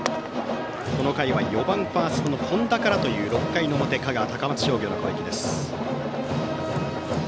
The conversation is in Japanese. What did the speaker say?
この回は４番ファーストの本田からという香川・高松商業の攻撃です。